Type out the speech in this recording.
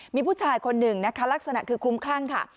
มีผู้ชายคนหนึ่งนะคะลักษณะคือคลุ้มคลั่งค่ะ